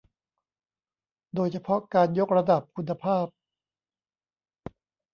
โดยเฉพาะการยกระดับคุณภาพ